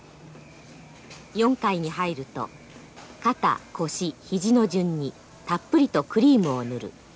４回に入ると肩腰肘の順にたっぷりとクリームを塗る。